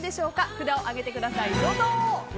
札を上げてください。